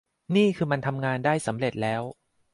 นี่คือมันทำงานได้สำเร็จแล้ว